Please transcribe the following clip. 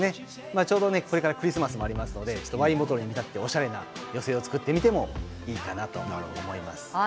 ちょうどこれからクリスマスもありますのでワインボトルに見立てておしゃれな寄せ植えを作ってみてもいいかなと思います。